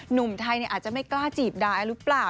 หนุ่มไทยอาจจะไม่กล้าจีบดาเอ็นโดรฟินหรือเปล่า